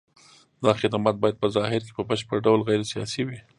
دا خدمات باید په ظاهر کې په بشپړ ډول غیر سیاسي وي.